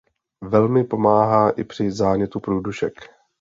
Velmi pomáhá i při zánětu průdušek.